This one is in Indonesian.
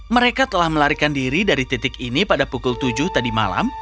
mereka telah melarikan diri dari titik ini pada pukul tujuh tadi malam